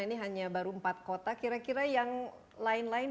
ini hanya baru empat kota kira kira yang lain lain